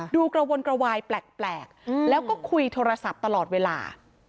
กระวนกระวายแปลกแล้วก็คุยโทรศัพท์ตลอดเวลา